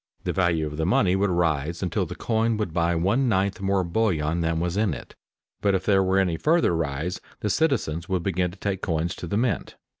The value of the money would rise until the coin would buy one ninth more bullion than was in it, but if there were any further rise the citizens would begin to take coins to the mint.